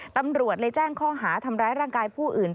ตำรวจเลยแจ้งข้อหาทำร้ายร่างกายผู้อื่น